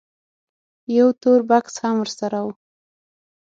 یو تور بکس هم ورسره و.